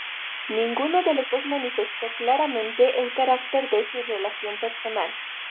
Ninguno de los dos manifestó claramente el carácter de su relación personal.